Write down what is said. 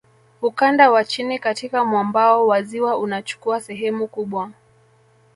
Ukanda wa chini katika mwambao wa ziwa unachukua sehemu kubwa